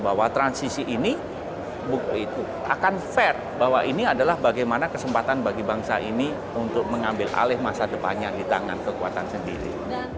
bahwa transisi ini buku itu akan fair bahwa ini adalah bagaimana kesempatan bagi bangsa ini untuk mengambil alih masa depannya di tangan kekuatan sendiri